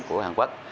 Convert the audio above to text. của hàn quốc